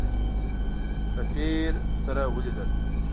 سفیر سره ولیدل.